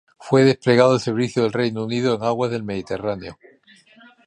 Fue desplegado al servicio del Reino Unido en aguas del Mediterráneo.